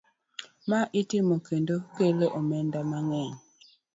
Ma itimo kendo kelo omenda mang'eny.